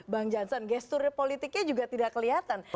bang jansen gestur politiknya juga tidak kelihatan